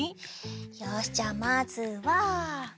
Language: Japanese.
よしじゃあまずは。